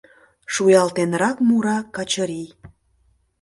Шуялтенрак мура Качырий.